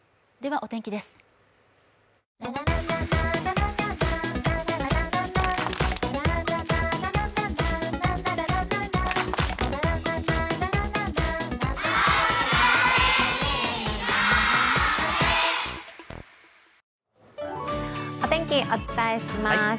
お天気、お伝えします。